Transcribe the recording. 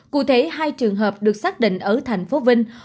cụ thể hai trường hợp được xác định ở thành phố vinh